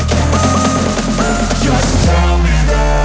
kamu ngabuk mita